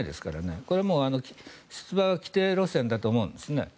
これはもう、出馬は既定路線だと思うんですね。